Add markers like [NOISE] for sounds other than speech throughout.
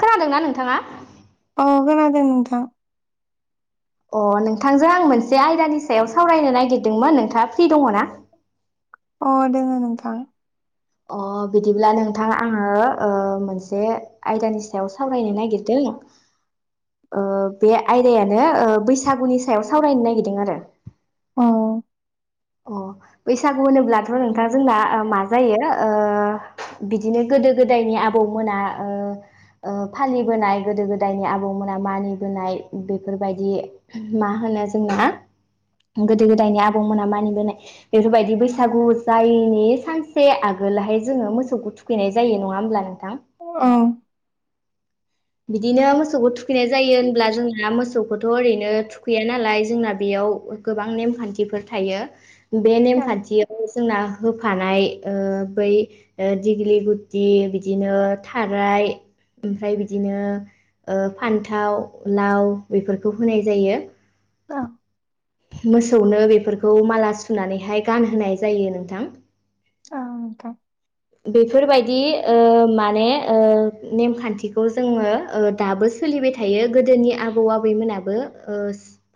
खोनादोंना नोंथाङा। अ खोनादों नोंथां। अ नोंथांजों आं मोनसे आयदानि सायाव सावरायनो नागिरदोंमोन नोंथाङा फ्रि दङना। अ दङो नोंथां। अ बिदिब्ला नोंथां आङो मोनसे आयदानि सायाव सावरायनो नागिरदों ओ बे आयदायानो बैसागुनि सायाव सावरायनो नागिरदों आरो। औ अ बैसागु होनोब्लाथ' नोंथां जोंना मा जायो ओ बिदिनो गोदो गोदायनि आबौमोना ओ ओ फालिबोनाय गोदो गोदायनि आबौमोना मानिबोनाय बेफोरबायदि मा होनो जोंना गोदो-गोदायनि आबौमोना मानि होनाय बेफोरबायदि बैसागु जायैनि सानसे आगोलहाय जोङो मोसौखौ थुखैनाय जायो नङा होमब्ला नों ओं बिदिनो मोसौखौ थु खैनाय जायो होनब्ला जोंना मोसौ खौथ' ओरैनो थुखैया नालाय जोंना बेयाव गोबां नेमखान्थिफोर थायो। बे नेमखान्थियाव जोंना होफानाय ओ बै दिग्लि गुटि बिदिनो थाराय ओमफ्राय बिदिनो फान्थाव, लाव बेफोरखौ होनाय जायो। ओं मोसौनो बेफोरखौ माला सुनानैहाय गानहोनाय जायो नोंथां औ नोंथां बेफोरबायदि ओ माने ओ नेमखान्थिखौ जोङो ओ दाबो सोलिबाय थायो गोदोनि आबौ-आबैमोनाबो ओ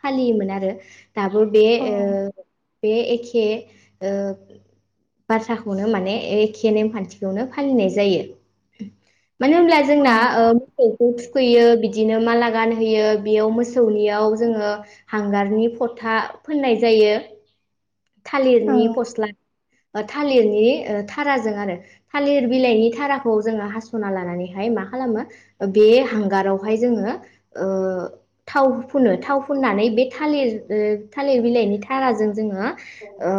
फालियोमोन आरो दाबो बे औ ओ बे एखे ओ बाथ्राखौनो माने एखे नेमखान्थिखौनो फालिनाय जायो। मानो होनब्ला औ जोंना मोसौखौ थुखैयो बि दिनो माला गानहोयो बेयाव मोसौनियाव जोङो हांगारनि फथा फोननाय जायो। औ थालिरनि फस्ला थालिरनि ओ थाराजों आरो थालिर बिलाइनि थाराखौ जोंङो हास'ना लानानैहाय मा खालामो बे हांगारावहाय जोंङो ओ थाव फुनो थाव फुननानै बे थालिर थालिर बिलाइनि थाराजों जोंङो ओ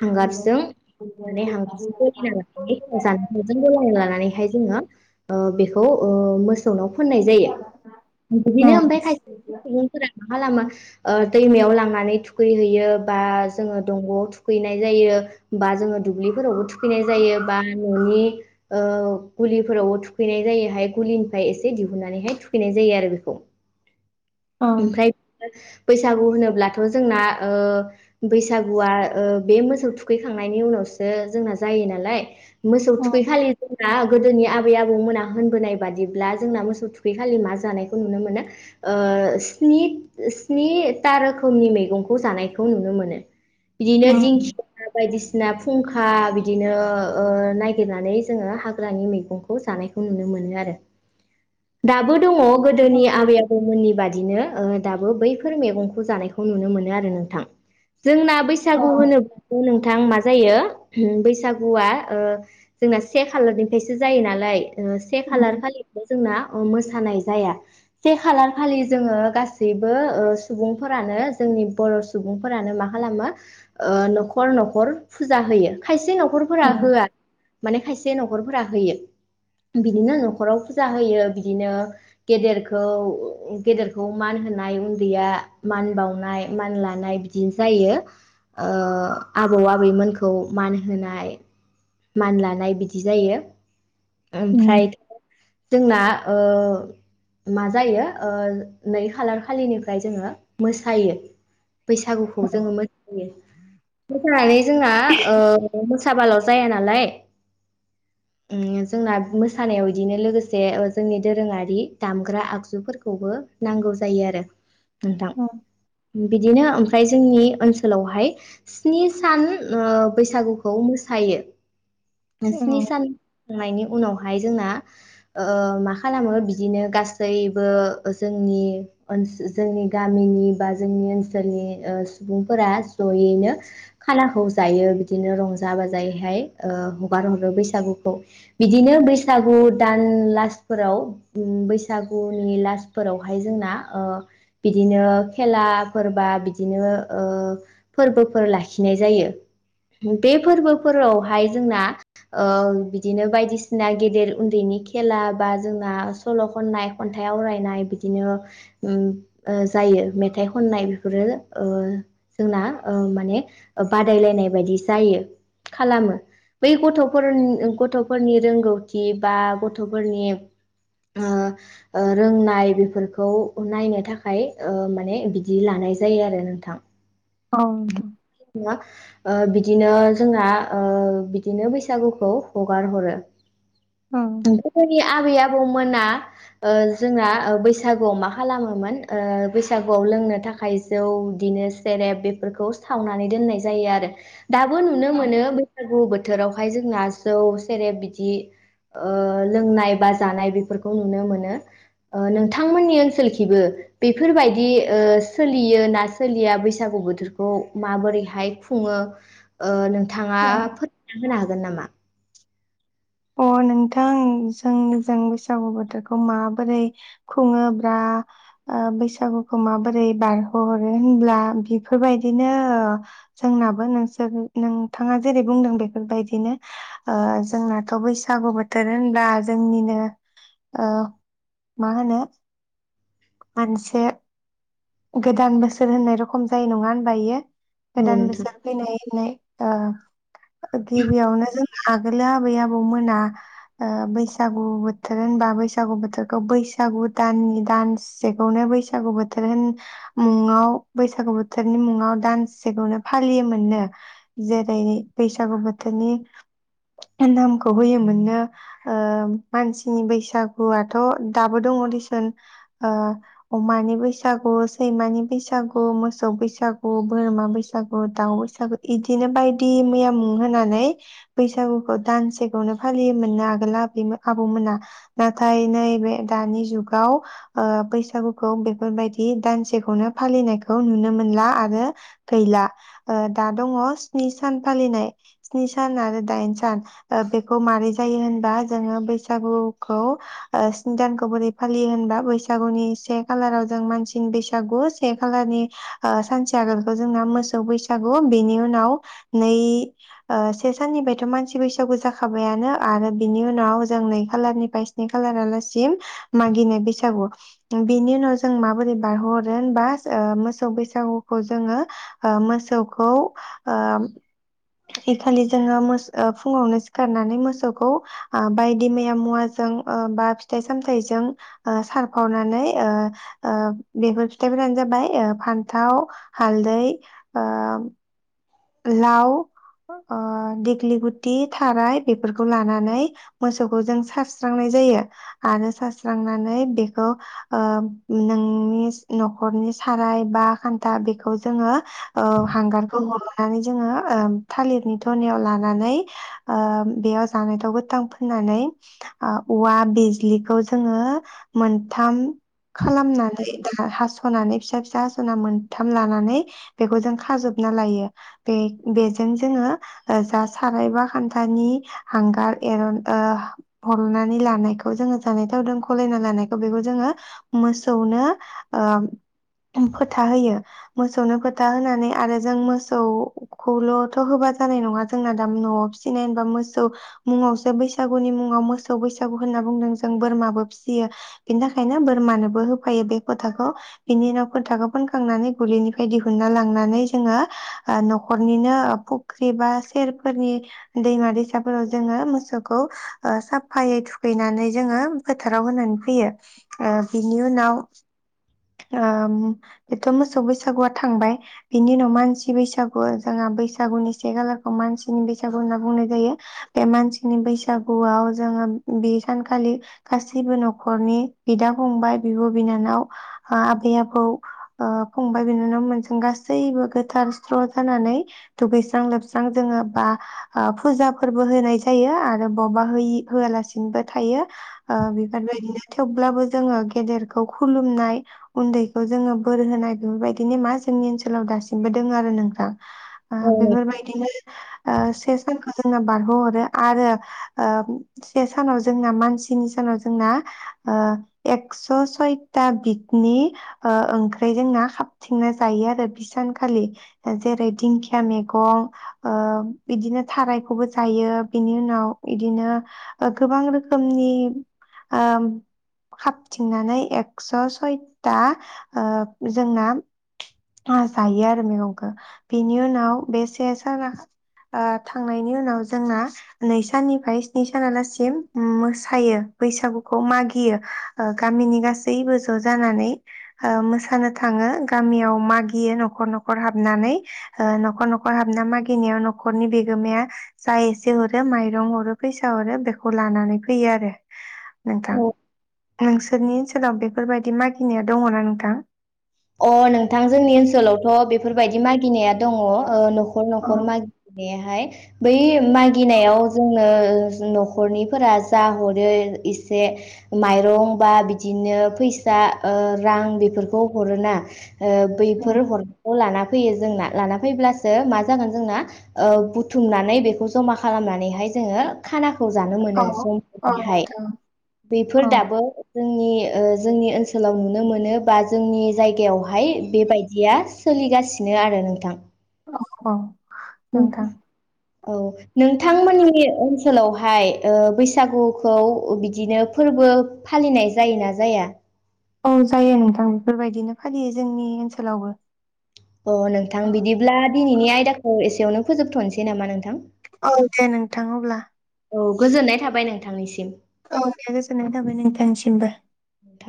हांगारजों औ औ माने हांगारजों गलायना लानानै मोजांजों गलायना लानानैहाय जोङो ओ बेखौ खौ ओ‌ मोसौ नाव फोननाय जायो बिदिनो ओमफ्राय नोंथां खायसे सुबुंफोरा माहा लामा दैमायाव लांनानै थुखैहैयो बा जोंङो दंग'आव थुखैनाय जायो बा जोंङो दुब्लिफोरावबो थुखैयो । फैनाय जायो बा न'नि अ गुलिफोरावबो थुखैनाय जायोहाय गुलिनिफ्राय एसे दिहुननानैहाय थुखैनाय जायो आरो बेखौ । ओमफ्राय बैसागु होनोब्लाथ' जोंना ओ बैसागुआ ओ बे मोसौ थुखैखांनायनि उनावसो जोंना जायो नालाय मोसौ थुखै खालि दा गोदोनि आबै आबौमोना होनबोनाय बादिब्ला जोंना मोसौ थुखैखालि मा जानायखौ नुनो मोनो स्नि स्निता रोखोमनि मैगंखौ जानायखौ नुनो मोनो । बिदिनो दिंखिया बायदिसि ना फुंखा बिदिनो ओ नागिरनानै जोंङो हाग्रानि मैगंखौ जानायखौ नुनो मोनो आरो दाबो दङ गोदोनि आबै आबौमोननि ओ बादिनो दाबो बैफोर मैगंखौ जानायखौ नुनो मोनो आरो नोंथां । जोंना बैसागु होनोब्लाथ' नोंथ नोंथां मा जायो बैसागुआ ओ जोंना से खालारनिफ्रायसो जायो नालाय । ओ से खालार खालिनो जोंना मोसानाय जाया से खालार खालि जोंङो गासैबो ओ सुबुंफोरानो जोंनि बर' सुबुंफोरानो माख खालामो न'खर न'खर फुजा होयो खायसे न'ख न'खरफोरा होआ माने खायसे से न'खरफोरा होयो बिदिनो न'खराव फुजा होयो बिदिनो गेदरखौ गेदेरखौ मान होनाय उन्दैया मान बावनाय मान लानाय बिदि जायो ओ आबौ आबैमोनखौ मान होनाय मान लानाय बिदि जायो । ओमफ्राय जोंना ओ मा जायो ओ नै खालार खालिनिफ्राय जोंङो मोसायो बैसागुखौ जोंङो मोसायो मोसानानै जोंना ओ मोसा साबाल' जाया नालाय जोंना मोसानायाव इदिनो लोगोसे जोंनि दोरोंङारि दामग्रा आगजुफोरखौबो नांगौ जायो आरो । नोंथां बिदिनो ओं ओमफ्राय जोंनि ओनसोलावहाय स्नि सान ओ बैसागुखौ मोसायो । स्नि सान थांनायनि उनावहाय जोंना ओ मा खालामो बिदिनो गासैबो जोंनि ओ जोंनि गामिनि बा जोंनि ओनसोलनि सुबुंफोरा जयैनो खानाखौ दायो बिदिनो रंजा बाजायैहाय ओ हगार हरो बैसागुखौ। बिदिनो बैसागु दान लासफोराव ओ‌ बैसागुनि लासफोरावहाय जोंना ओ बिदिनो खेलाफोरबा बिदिनो ओ फोरबोफोर लाखिनाय जायो बे फोरबोफोरावहाय जोंना ओ बिदिनो बायदिसिना गेदेर उन्दैनि खेला बा जोंना सल' खननाय खन्थाइ आवरायनाय बिदिनो उम ओ जायो मेथाइ खननाय बेफोरो ओ जोंना ओ‌ माने बादायलायनाय बायदि जायो खालामो बै गथ'फोरनि गथ'फोरनि रोंगौथि बा गथ'फोरनि ओ ओ रोंनाय बेफोरखौ नायनो थाखाय ओ माने बिदि लानाय जायो आरो नोंथां। औ नोंथां। जोङो ओ बिदिनो जोंना ओ बिदिनो बैसागुखौ हगार हरो। [UNINTELLIGIBLE] आबै आबौ मोना जोंना बैसागुआव मा खालामोमोन ओ‌ बैसागुआव लोंनो थाखाय जौ बिदिनो सेरेब बे बेफोरखौ सावनानै दोननाय जायो आरो। दाबो नुनो औ मोनो बैसागु बोथ बोथोरावहाय जोंना जौ सेरेब बिदि ओ लोंनाय बा जानाय बेफोरखौ नुनो मोनो नोंथांमोननि ओनसोलखिबो बेफोरबायदि ओ सोलियो ना सोलिया बैसागु बोथोर खौ माबोरैहाय खुङो ओ नोंथाङा औ फोरोंना होनो हागोन नामा। अ नोंथां जों जों बैसागु बोथोरखौ माबोरै खुङोब्ला बैसागुखौ माबोरै बारहोहरो होनब्ला बेफोरबायदिनो जोंनाबो नोंसोर नोंथाङा जेरै बुंदों बेफोरबायदिनो ओ जोंना थ' बैसागु बोथोर होनब्ला जोंनिनो मा होनो मोनसे गोदान बोसोर होननाय रखम जायो नङा होनबा इयो। औ गोदान नोंथां बोसोर फैनाय होनाय ओ गिबिआवनो जों आगोलो आबै आबौ मोना ओ बैसागु बोथोर होनबा बैसागु बोथोरखौ बैसागु दाननि दानसे खौनो बैसागु बोथोर होन मुंङाव बैसागु बोथोरनि मुङाव दानसे खौनो फालियोमोननो जेरै बैसागु बोथोरनि नामखौ होयोमोननो ओ मानसिनि बैसागुआथ' दाबो दङ दिसनउह अमानि बैसागु सैमानि बैसागु मोसौ बैसागु बोरमा बैसागु दाउ बैसागु इदिनो बायदि मैया मुं होनानै बैसागुखौ दानसेखौनो फालियोमोनना आगोल आबै आबौमोना नाथाय नैबे दानि जुगाव ओ बैसागुखौ बेफोरबायदि दानसे खौनो फालिनायखौ नुनो मोनला आरो गैला ओ दा दङ स्नि सान फालिनाय स्नि सान आरो दाइन सान ओ बेखौ मारै जायो होनबा जोङो बैसागुखौ ओ स्नि दानखौ बोरै फालियो होनबा बैसागुनि से खालाराव जों मानसिनि बेैसा सागु से खालारनि ओ सानसे आगोलखौ जोंना मोसौ बैसागु बेनि उनाव नै ओ से साननिफायथ' मानसि बैसागु जाखाबायानो आरो बिनि उनाव जों नै खालारनिफाय स्नि खालारालासिम मागिनाय बैसागु। बिनि उनाव जों माबोरै बारहोहर रोहोनबा ओ मोसौ बैसागुखौ जोङो ओ मोसौखौ ओ इखालि जोङो मोस ओ फुंङावनो सिखारनानै मोसौखौ ओबायदि मैया मुवाजों ओ बा फिथाइ सामथाइजों ओ सारफावनानै ओ ओ बेफोर फिथाइफोरानो जाबाय ओ फान्थाव हालदै ओ लाव ओ दिग्लि गुदि थाराय बेफोरखौ लानानै मोसौखौ जों सारस्रांनाय जायो आरो सारस्रांनानै बेखौ ओ नोंनि न'खरनि साराय बा खान्था बेखौ जोङो ओ हांगारखौ हयो । नानै जोङो ओ थालिरनि थनायाव लानानै ओ बेयाव जानाय थाव गोथां फोननानै ओ औवा बिजलिखौ जोङो मोनथाम खालामनानै हास'नानै फिसा फिसा हास'ना मोनथाम लानानै बेखौ जों खाजोबना लायो । बे बेजों जोङो ओ जा साराय बा खान्थानि हांगार एरन ओ हलनानै लानायखौ जोङो जानाय थावदों खलायना लानायखौ बेखौ जोङो मोसौनो ओ फोथा होयो मोसौनो फोथा होनानै आरो जों मोस सौखौल'थ' होबा जानाय नङा जोंना दा न'आव फिसिनाय होनबा मोसौ मुङावसो बैसागुनि मुङाव मोसौ बैसागु होनना बुंदों जों बोरमाबो फिसियो बेनि थाखायनो बोरमानोबो होफायो बे फोथाखौ बिनि उनाव फोथाखौ फोनखांनानै गुलिनिफाय दिहुनना लांनानै जोङो ओ न'खरनिनो फुख्रि बा सेरफोरनि दैमा दैसाफोराव जोङो मोसौखौ ओ साफायै थुखैनानै जोङो फोथाराव होनानै फैयो ओ बिनि उनाव ओ बेथ' मोसौ बैसागुआ थांबाय बिनि उनाव मानसि बैसागुआ जोंहा बैसागुनि से खालारखौ मानसिनि बैसागु होनना बुंनाय जायो बे मानसिनि बैसागुआव जोङो बे सानखालि गासैबो न'खरनि बिदा फंबाय बिब' बिनानाव आबै आबौ ओ फंबाय बिनानाव मोन जों गासैबो गोथार स्र जानानै दुगैस्रां लोबस्रां जोङो बा ओ फुजाफोरबो होनाय जायो आरो बबावबा होयि होआलासिनोबो थायो ओ बिफोरबायदिनो थेवब्लाबो जोङो गेदेरखौ खुलुमनाय उन्दैखौ जोङो बोर होनाय बेफोरबायदिनो मा जोंनि ओनसोलाव दासिमबो दङो आरो । नोंथां। ओ औ बेफोरबायदिनो ओ से सानखौ जोंङो बारहोहरो आरो ओ से सानाव जोंना मानसिनि सानाव जोंना ओ एक्स' सयथा बिगनि ओ ओंख्रि जोंना हाबथिंना जायो आरो बि सानखालि । जेरै दिंखिया मैगं ओ बिदिनो थारायखौबो जायो बिनि उनाव इदिनो गोबां रोखोमनि ओ हाबथिंनानै एक्स' सयथा ओ जोंना हा जायो आरो मैगंखो बिनि उनाव बे से साना उह थांनायनि उनाव जोंना नै साननिफाय स्नि सानालासिम मोसायो बैसागुखौ मागियो उह गामिनि गासैबो ज' जानानै उह मोसानो थाङो गामियाव । मागियो न'खर न'खर हाबनानै उह न'खर न'खर हाबना मागिनायाव न'खरनि बेगोमाया जा एसे हरो माइरं हरो फैसा हरो बेखौ लानानै फैयो आरो । नोंथां औ नोंसोरनि ओनसोलाव बेफोरबायदि मागिनाया दङना नोंथां? अ नोंथां जोंनि ओनसोलावथ' बेफोरबायदि मागिनाया दङ उह न खर औ न'खर माग बेहाय बै मागिनायाव जोंनो जि न'खरनिफोरा जा हरो इसे माइरं बा बिदिनो फैसा उह रां बेफोरखौ हरोना ओ बैफोर हरनायखौ लाना फैयो जोंना लाना फैब्लासो मा जागोन जोंना उह बुथुमनानै बेखौ जमा खालामनानैहाय जोङो खाना खौ जानो मोनो औ समफोरनिहाय नोंथां। बेफोर औ दाबो जोंनि ओ जोंनि ओनसोलाव नुनो मोनो बा जोंनि जायगायावहाय बेबायदिया सोलिगासिनो आरो नोंथां । अ अ [UNINTELLIGIBLE] औ नोंथांमोननि ओनसोल सोलावहाय उह बैसागुखौ बिदिनो फोरबो फालिनाय जायोना जाया? औ जायो नोंथां बेफोरबायदिनो फालियो जोंनि ओनसोलावबो । अ नोंथां बिदिब्ला दिनैनि आयदाखौ एसेयावनो फोजोबथ'नोसै नामा नोंथां? औ दे नोंथां अब्ला। औ गोजोननाय थाबाय नोंथांनिसिम। औ दे गोजोन्नाय थाबाय नोंथांनिसिमबो। नोंथां